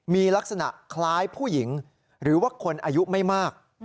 มีลักษณะคล้ายผู้หญิงหรือว่าคนอายุไม่มาก